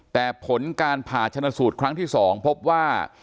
แต่ผลการผ่าชนสูตรครั้งที่๒พบว่า